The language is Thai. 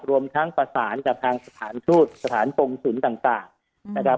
รวมทั้งประสานกับทางสถานทูตสถานกงศิลป์ต่างนะครับ